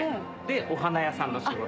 お花屋さんの仕事を。